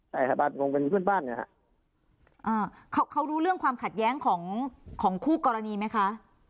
ใช่ครับบ้านคงเป็นเพื่อนบ้านเนี่ยฮะอ่าเขาเขารู้เรื่องความขัดแย้งของของคู่กรณีไหมคะ